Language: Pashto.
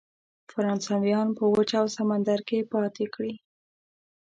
فرانسویان په وچه او سمندر کې پیدا کړي.